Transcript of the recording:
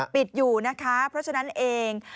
ปิดอยู่นะคะเพราะฉะนั้นเอง